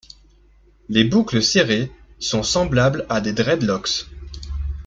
Les boucles serrées sont semblables à des dreadlocks.